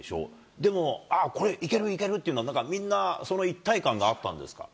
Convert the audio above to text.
でもああ、これいけるいけるっていうのは、みんな、その一体感があったんですか。